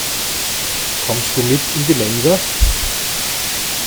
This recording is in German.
Kommst du mit in die Mensa?